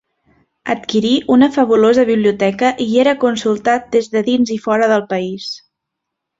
Adquirí una fabulosa biblioteca i era consultat des de dins i fora del país.